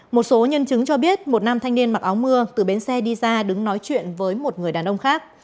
một số nhân chứng cho biết một nam thanh niên mặc áo mưa từ bến xe đi ra đứng nói chuyện với một người đàn ông khác